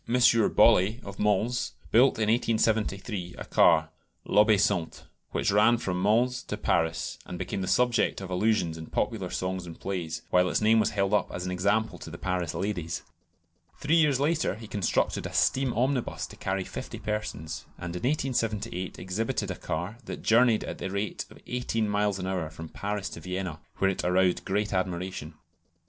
Bollée, of Mans, built in 1873 a car, "l'Obéissante," which ran from Mans to Paris; and became the subject of allusions in popular songs and plays, while its name was held up as an example to the Paris ladies. Three years later he constructed a steam omnibus to carry fifty persons, and in 1878 exhibited a car that journeyed at the rate of eighteen miles an hour from Paris to Vienna, where it aroused great admiration.